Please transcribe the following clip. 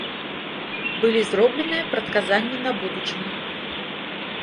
Былі зробленыя прадказанні на будучыню.